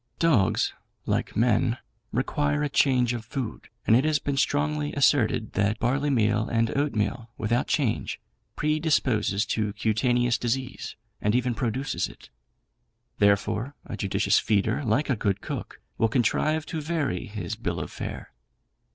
Dogs, like men, require a change of food, and it has been strongly asserted that barleymeal and oatmeal, without change, predisposes to cutaneous disease, and even produces it; therefore, a judicious feeder, like a good cook, will contrive to vary his bill of fare.